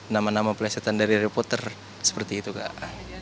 nama nama pelesetan dari harry potter seperti itu kak